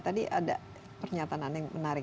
tadi ada pernyataan yang menarik